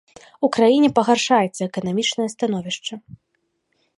У краіне пагаршаецца эканамічнае становішча.